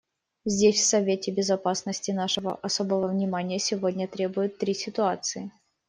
Здесь, в Совете Безопасности, нашего особого внимания сегодня требуют три ситуации.